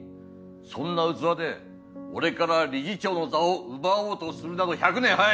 そんな器で俺から理事長の座を奪おうとするなど１００年早い！